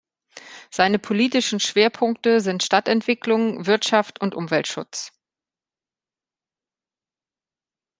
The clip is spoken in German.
Seine politischen Schwerpunkte sind Stadtentwicklung, Wirtschaft und Umweltschutz.